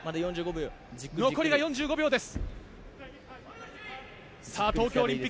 残りが４５秒です。